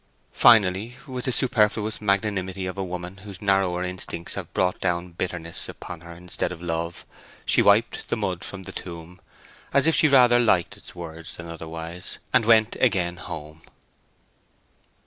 Finally, with the superfluous magnanimity of a woman whose narrower instincts have brought down bitterness upon her instead of love, she wiped the mud spots from the tomb as if she rather liked its words than otherwise, and went again home.